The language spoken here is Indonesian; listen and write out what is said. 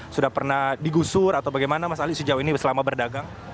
sudah pernah digusur atau bagaimana mas ali sejauh ini selama berdagang